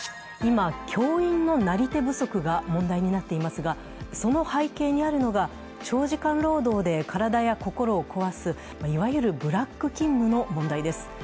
今、教員のなり手不足が問題となっていますがその背景にあるのが長時間労働で体や心を壊すいわゆるブラック勤務の問題です。